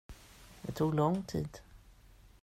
Det tog lång tid.